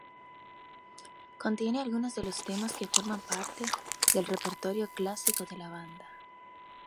Contiene algunos de los temas que forman parte del repertorio clásico de la banda.